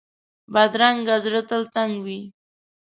بدرنګه زړه تل تنګ وي